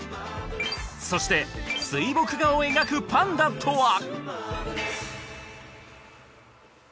そして水墨画を描くパンダとは？